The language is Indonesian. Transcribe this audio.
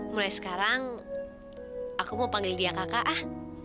mulai sekarang aku mau panggil dia kakak ah